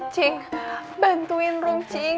cik bantuin rom cik